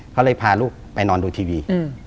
เขาเลยพาลูกไปนอนดูทีวี